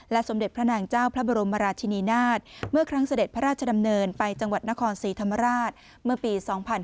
สมเด็จพระนางเจ้าพระบรมราชินีนาฏเมื่อครั้งเสด็จพระราชดำเนินไปจังหวัดนครศรีธรรมราชเมื่อปี๒๕๕๙